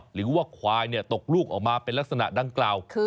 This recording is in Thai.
หรือว่าควายตกลูกออกมาเป็นลักษณะดังกล่าว